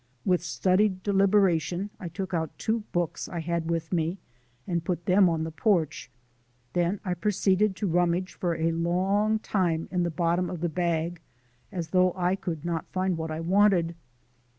With studied deliberation I took out two books I had with me and put them on the porch; then I proceeded to rummage for a long time in the bottom of the bag as though I could not find what I wanted.